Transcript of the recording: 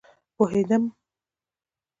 پوهيدم